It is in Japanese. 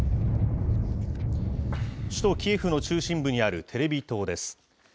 首都キエフの中心部にあるテレビ塔です。